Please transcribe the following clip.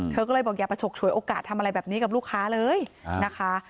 เธอก็เลยบอกอย่าไปฉกฉวยโอกาสทำอะไรแบบนี้กับลูกค้าเลยนะคะ